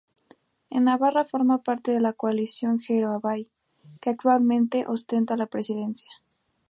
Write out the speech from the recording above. En Navarra forma parte de la coalición Geroa Bai, que actualmente ostenta la presidencia.